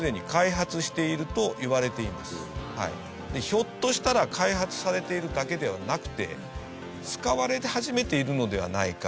ひょっとしたら開発されているだけではなくて使われ始めているのではないか？